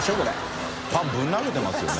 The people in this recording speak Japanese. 僖ぶん投げてますよね。